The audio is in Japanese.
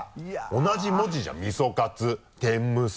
同じ文字じゃん「味噌カツ」「てんむす」